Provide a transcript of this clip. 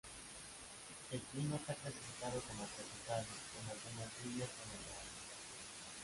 El clima está clasificado como tropical, con algunas lluvias en el verano.